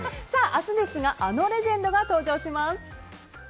明日ですが、あのレジェンドが登場します。